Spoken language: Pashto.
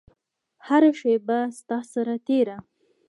هره شیبه ستا سره تیره